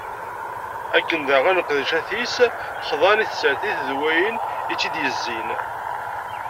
Akken daɣen, leqdicat-is, xḍan i tsertit d wayen i tt-id-yezzin.